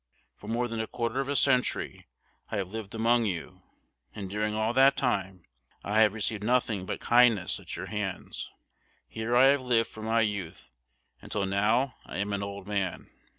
For more than a quarter of a century I have lived among you, and during all that time I have received nothing but kindness at your hands. Here I have lived from my youth, until now I am an old man.